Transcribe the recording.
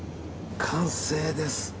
完成です。